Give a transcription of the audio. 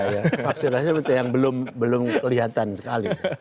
ya vaksinasi yang belum kelihatan sekali